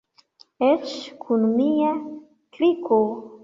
Eĉ kun mia kriko.